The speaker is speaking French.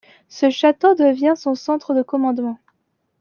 Ce château devient son centre de commandement.